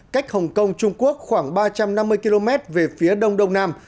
cách hồng kông trung quốc khoảng ba trăm năm mươi km về phía đông đông nam